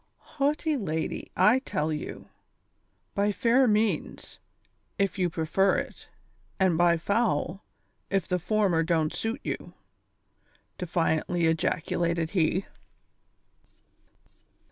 " Haughty lady, I'll tell you ; by fair means, if yoi; pre fer it ; and by foul, if the former don't suit you," defiantly ejaculated he.